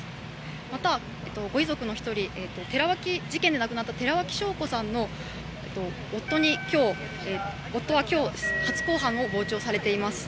また、ご遺族の１人事件で亡くなった寺脇晶子さんの夫は今日、初公判を傍聴されています。